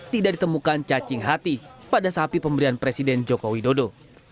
tidak ditemukan cacing hati pada sapi pemberian presiden joko widodo